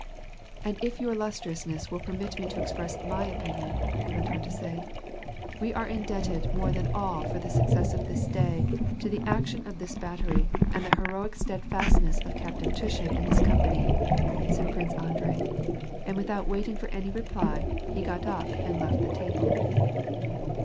" And if your illustriousness will permit me to express my opinion," he went on to say, " we are indebted more than all for the success of this da\', to the action of this battery, and the heroic steadfastness of Captain Tushin and his company,^ said Prince Andrei, and without waiting for any reply, ne got up and left the table.